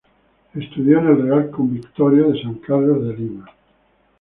Estudió en el Real Convictorio de San Carlos de Lima.